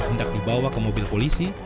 hendak dibawa ke mobil polisi